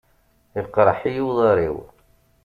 Iqerḥ-iyi uḍar-iw.